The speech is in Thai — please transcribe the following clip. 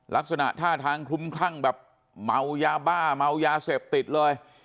ลักษณะท่าทางคลุมคลั่งแบบเมายาบ้าเมายาเสพติดเลย